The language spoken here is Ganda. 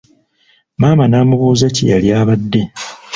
Maama n'amubuuza kye yali abadde.